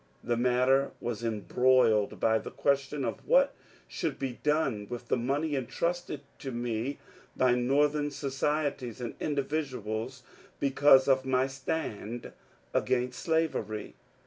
The matter was embroiled by the question of what should be done with the money entrusted to me by Northern societies and individuals because of my stand against slavery.